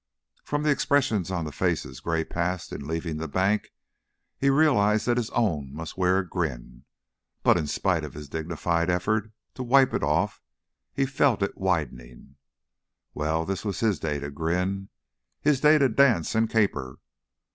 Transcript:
From the expressions upon the faces Gray passed in leaving the bank, he realized that his own must wear a grin; but, in spite of his dignified effort to wipe it off, he felt it widening. Well, this was his day to grin; his day to dance and caper.